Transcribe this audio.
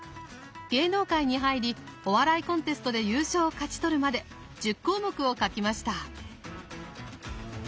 芸能界に入りお笑いコンテストで優勝を勝ち取るまで１０項目を書きました。